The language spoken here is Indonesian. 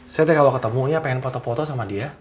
saya tidak mau ketemunya pengen foto foto sama dia